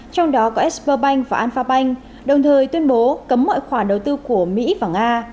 trong đó có expo bank và alphabank đồng thời tuyên bố cấm mọi khoản đầu tư của mỹ và nga